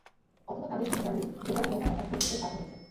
অথবা তাঁদের সামনে দাঁড়িয়ে ভোটাররা নৌকা মার্কায় ভোট দিতে বাধ্য হচ্ছেন।